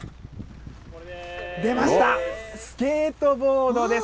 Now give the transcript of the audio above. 出ました、スケートボードです。